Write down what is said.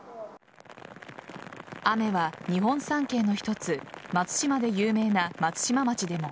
雨は日本三景の一つ松島で有名な松島町でも。